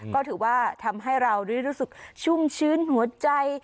ก็ถือว่าทำให้เราได้รู้สึกชุ่มชื้นหัวใจ